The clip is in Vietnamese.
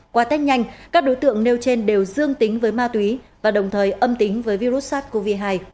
qua test nhanh các đối tượng nêu trên đều dương tính với ma túy và đồng thời âm tính với virus sars cov hai